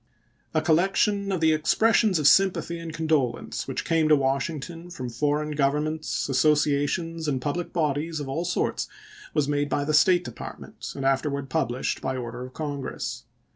A collection of the expressions of sympathy and condolence which came to Washington from for eign governments, associations, and public bodies of all sorts was made by the State Department, and afterwards published by order of Congress.